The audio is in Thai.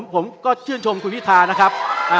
ผมก็ชื่นชมคุณพิธานะครับ